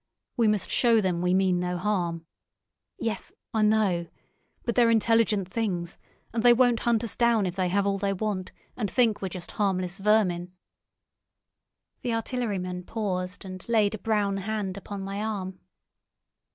We must show them we mean no harm. Yes, I know. But they're intelligent things, and they won't hunt us down if they have all they want, and think we're just harmless vermin." The artilleryman paused and laid a brown hand upon my arm.